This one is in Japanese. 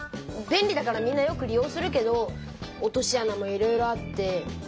便利だからみんなよく利用するけど落としあなもいろいろあって。